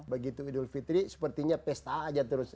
begitu idul fitri sepertinya pesta aja terus